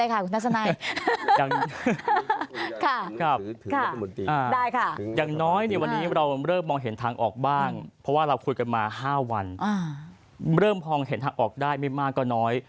คุยกันมา๕วันเริ่มพองเห็นทางออกได้ไม่มากก็น้อย